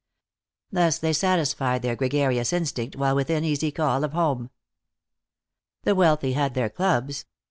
Thus they satisfied their gregarious instinct while within easy call of home. The wealthy had their clubs.